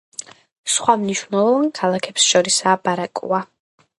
სხვა მნიშვნელოვან ქალაქებს შორისაა ბარაკოა.